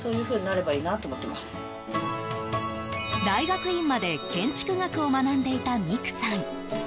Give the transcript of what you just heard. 大学院まで建築学を学んでいた未来さん。